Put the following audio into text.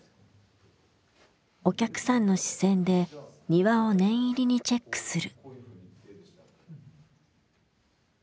お客さんの視線で庭を念入りにチェックする。